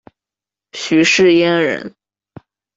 许世英人。